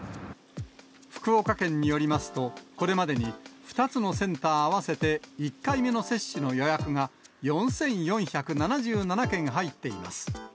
福岡県によりますと、これまでに２つのセンター合わせて１回目の接種の予約が４４７７件入っています。